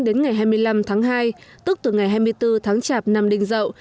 từ ngày chín đến ngày hai mươi năm tháng hai tức từ ngày hai mươi bốn tháng chạp năm đinh dậu